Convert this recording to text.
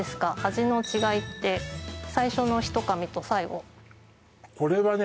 味の違いって最初のひと噛みと最後これはね